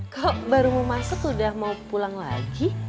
kalau baru mau masuk udah mau pulang lagi